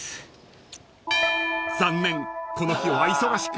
［残念この日は忙しく］